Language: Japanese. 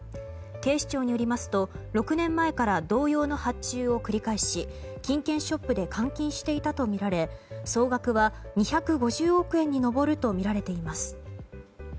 警視庁によりますと６年前から同様の発注を繰り返し金券ショップで換金していたとみられ総額は２５０億円に上るとみられています。